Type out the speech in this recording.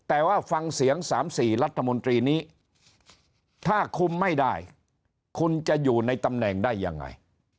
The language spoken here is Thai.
แต่ว่าฟังเสียง๓๔รัฐมนตรีนี้ถ้าคุมไม่ได้คุณจะอยู่ในตำแหน่งได้ยังไง